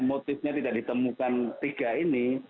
motifnya tidak ditemukan tiga ini